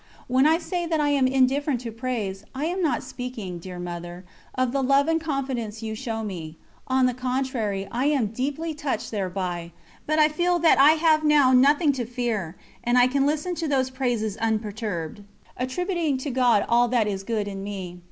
When I say that I am indifferent to praise, I am not speaking, dear Mother, of the love and confidence you show me; on the contrary I am deeply touched thereby, but I feel that I have now nothing to fear, and I can listen to those praises unperturbed, attributing to God all that is good in me.